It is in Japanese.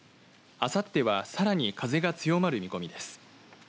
あさってはさらに風が強まる見込みです。